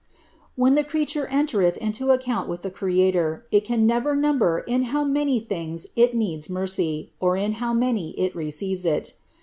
When the creature entereth into account with the Creator, it can never num ber in bow many things it needs mercy, or in how many it receives it.